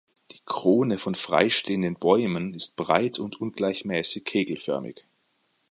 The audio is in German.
Die Krone von freistehenden Bäumen ist breit und ungleichmäßig kegelförmig.